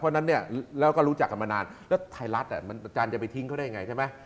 แล้วก็มันสุดแล้วก็รู้จักกันมานานแล้วทัยรัฐอาจารย์จะไปทิ้งเขาได้ยังไงใช่ไหม